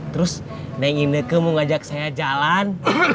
terus neng ineke mau ngajak saya jalan